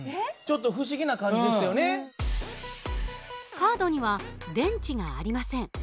カードには電池がありません。